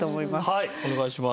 はいお願いします。